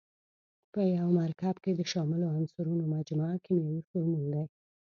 په یو مرکب کې د شاملو عنصرونو مجموعه کیمیاوي فورمول دی.